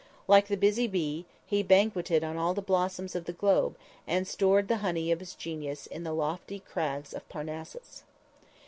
Like the busy bee, he banqueted on all the blossoms of the globe and stored the honey of his genius in the lofty crags of Parnassus.